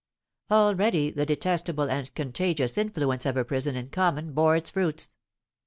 Already the detestable and contagious influence of a prison in common bore its fruits.